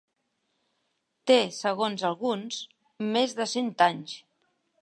Té, segons alguns, més de cent anys.